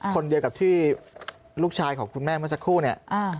คนเดียวกับที่ลูกชายของคุณแม่เมื่อสักครู่เนี่ย